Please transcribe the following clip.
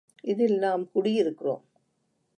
இதில் நாம் குடியிருக்கிறோம்.